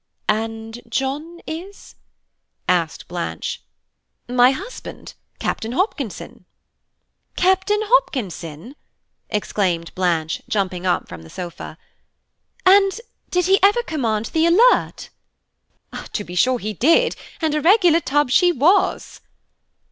"And John is?" asked Blanche. "My husband, Captain Hopkinson." "Captain Hopkinson!" exclaimed Blanche, jumping up from the sofa, "and did he ever command the Alert? " "To be sure he did, and a regular tub she was!"